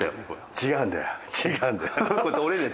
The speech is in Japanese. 違うんだよ。